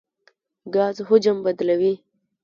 ګاز حجم بدلوي.